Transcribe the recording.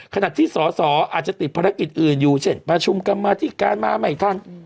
ขณะที่สอสออาจจะติดภารกิจอื่นอยู่เช่นประชุมกรรมาธิการมาไม่ทัน